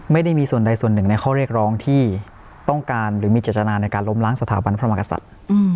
ไม่ได้มีส่วนใดส่วนหนึ่งในข้อเรียกร้องที่ต้องการหรือมีเจตนาในการล้มล้างสถาบันพระมากษัตริย์